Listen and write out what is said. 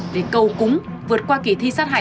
để cầu cúng vượt qua kỳ thi sát hạch